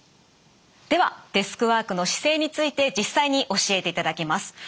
ではデスクワークの姿勢について実際に教えていただきます。